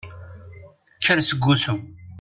Kker seg usu!